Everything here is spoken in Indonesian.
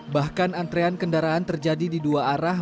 bahkan antrean kendaraan terjadi di dua arah